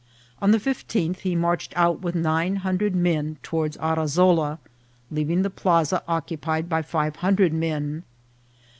On the fifteenth he marched out with nine hundred men toward Arazola, leaving the plaza occupied by five hundred men.